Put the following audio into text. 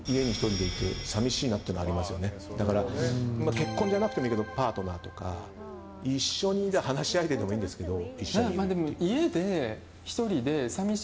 結婚でなくてもいいけどパートナーとか話し相手でもいいんですけど。